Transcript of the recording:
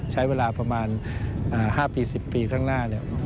ใช้เวลาประมาณ๕ปี๑๐ปีข้างหน้า